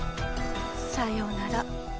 さようなら